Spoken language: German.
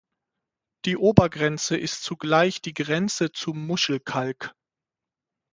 Die Obergrenze ist zugleich die Grenze zum Muschelkalk.